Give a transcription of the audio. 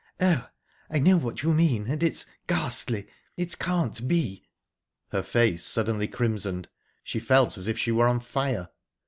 "Oh, I know what you mean and it's ghastly! It can't be..." Her face suddenly crimsoned; she felt as if she were on fire.